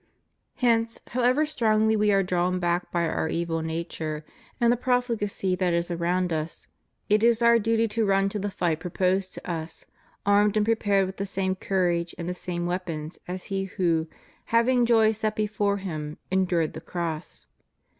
Hence, however strongly we are drawn back by our evil nature and the profligacy that is around us, it is our duty to run to the fight proposed to us,^ armed and prepared with the same courage and the same weapons as He who, having joy set before Him, endured the cross.